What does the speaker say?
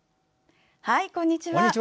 こんにちは。